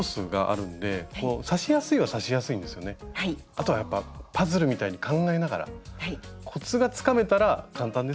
あとはやっぱパズルみたいに考えながらコツがつかめたら簡単ですよね。